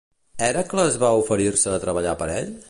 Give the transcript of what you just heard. Hèracles va oferir-se a treballar per ell?